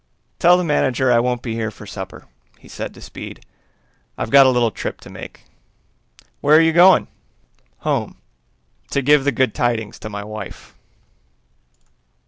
"Tell the manager I won't be here for supper," he said to Speed. "I've got a little trip to make." "Where are you going?" "Home, to give the good tidings to my wife."